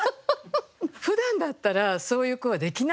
ふだんだったらそういう句はできないんですよ。